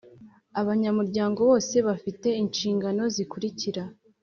Abanyamuryango bose bafite inshingano zikurikira